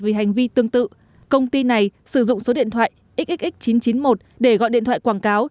vì hành vi tương tự công ty này sử dụng số điện thoại xxx chín trăm chín mươi một để gọi điện thoại quảng cáo